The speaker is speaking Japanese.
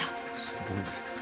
すごいですね。